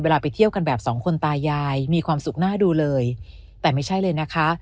ไปเที่ยวกันแบบสองคนตายายมีความสุขน่าดูเลยแต่ไม่ใช่เลยนะคะ